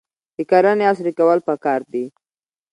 د کرنې عصري کول پکار دي.